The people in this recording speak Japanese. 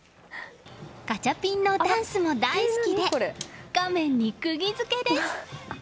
ガチャピンのダンスも大好きで画面に釘付けです！